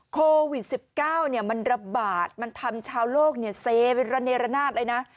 โควิด๑๙มันระบาดมันทำชาวโลกเซเป็นระเนรนาศเลยนะ